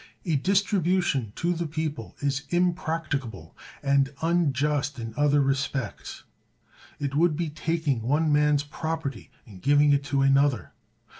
A distribution to the people is impracticable and unjust in other respects. It would be taking one man's property and giving it to another.